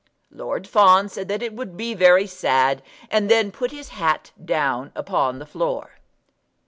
Lord Fawn said that it would be very sad, and then put his hat down upon the floor.